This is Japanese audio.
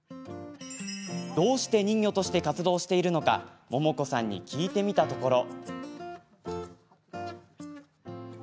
どうして人魚として活動しているのか百桃子さんに聞いてみたところ。